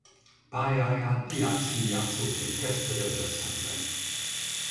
Pályáját diákszínjátszóként kezdte Debrecenben.